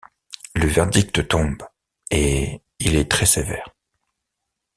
Le verdict tombe et il est très sévère.